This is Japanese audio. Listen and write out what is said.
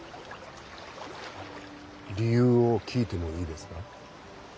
理由を聞いてもいいですか？